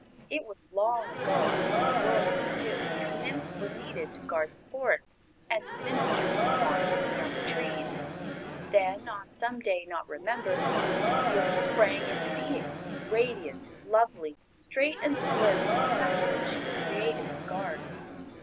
It was long ago when the world was new and nymphs were needed to guard the forests and to minister to the wants of the young trees. Then, on some day not remembered, Necile sprang into being; radiant, lovely, straight and slim as the sapling she was created to guard.